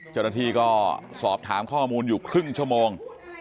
เจ้าหน้าที่ก็สอบถามข้อมูลอยู่ครึ่งชั่วโมง